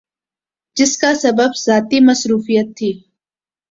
جس کا سبب ذاتی مصروفیت تھی ۔